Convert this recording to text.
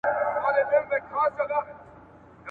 زورورو د کمزورو برخي وړلې !.